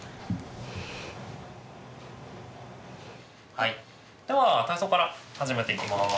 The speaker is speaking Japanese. はいでは体操から始めていきます。